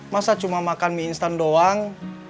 masa cuma makan mie instan doang